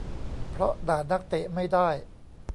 เพราะด่านักเตะไม่ได้